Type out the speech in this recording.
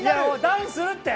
ダウンするって！